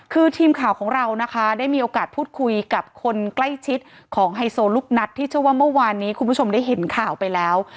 คือทีมข่าวของเรานะคะได้มีโอกาสพูดคุยกับคนใกล้ชิดของไฮโซลูกนัดที่เชื่อว่าเมื่อวานนี้คุณผู้ชมได้เห็นข่าวไปแล้ว